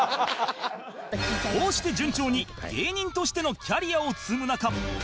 こうして順調に芸人としてのキャリアを積む中